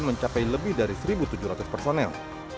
ini menyebabkan mencapai lebih dari satu tujuh ratus personel